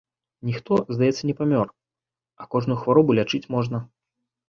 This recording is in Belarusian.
Ніхто, здаецца, не памёр, а кожную хваробу лячыць можна.